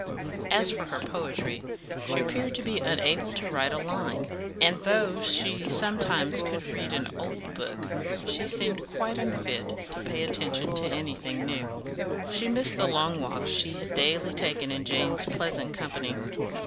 As for her poetry, she appeared to be unable to write a line, and though she sometimes could read an old book, she seemed quite unfit to pay attention to anything new. She missed the long walks she had daily taken in Jane's pleasant company.